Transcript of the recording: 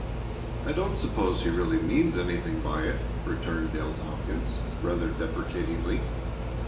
"I don't suppose he really means anything by it," returned Dale Tompkins, rather deprecatingly.